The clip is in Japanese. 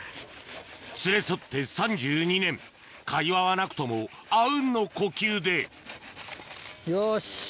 連れ添って３２年会話はなくともあうんの呼吸でよし。